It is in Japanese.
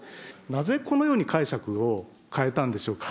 なぜこのように解釈を変えたんでしょうか。